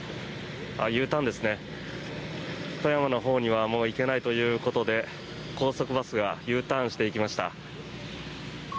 富山のほうにはもう行けないということで高速バスがＵターンしていきました。